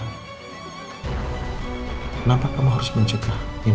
kenapa kamu harus mencegah inuptas diana